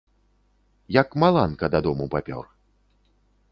Як маланка, да дому папёр.